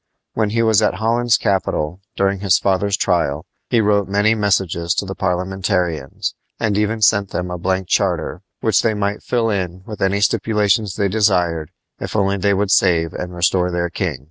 When he was at Holland's capital, during his father's trial, he wrote many messages to the Parliamentarians, and even sent them a blank charter, which they might fill in with any stipulations they desired if only they would save and restore their king.